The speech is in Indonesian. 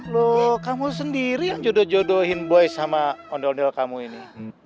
loh kamu sendiri yang jodoh jodohin boy sama ondel ondel kamu ini